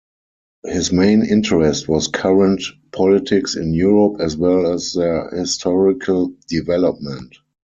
His main interest was current politics in Europe as well as their historical development.